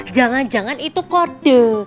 jangan jangan itu kode